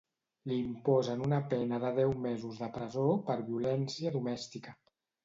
Li imposen una pena de deu mesos de presó per violència domèstica.